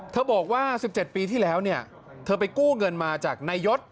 เธอบอกว่าสิบเจ็ดปีทีแล้วเนี่ยเธอไปกู้เงินมาจากณยศ